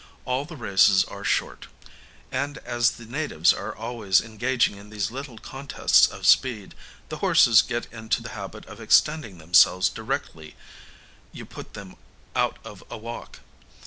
All the races are short; and as the natives are always engaging in these little contests of speed, the horses get into the habit of extending themselves directly you put them out of a walk.